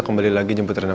maaf sebentar ya